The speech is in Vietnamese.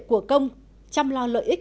của công chăm lo lợi ích